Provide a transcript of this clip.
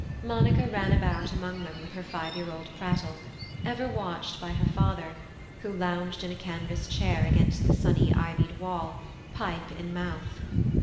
Monica ran about among them with her five year old prattle, ever watched by her father, who lounged in a canvas chair against the sunny ivied wall, pipe in mouth.